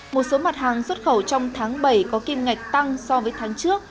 một số mặt hàng xuất khẩu trong tháng bảy có kim ngạch tăng so với tháng trước